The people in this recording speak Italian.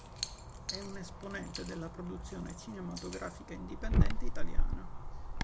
È un esponente della produzione cinematografica indipendente italiana.